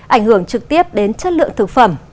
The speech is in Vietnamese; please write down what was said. ảnh hưởng trực tiếp đến chất lượng thực phẩm